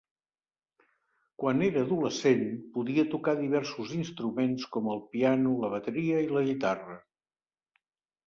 Quan era adolescent, podia tocar diversos instruments com el piano, la bateria, i la guitarra.